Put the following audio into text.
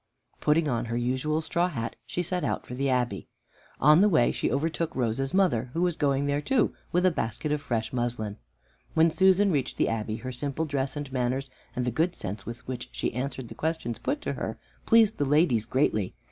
Putting on her usual straw hat, she set out for the Abbey. On the way she overtook Rose's mother, who was going there too with a basket of fresh muslin. When Susan reached the Abbey, her simple dress and manners and the good sense with which she answered the questions put to her, pleased the ladies greatly.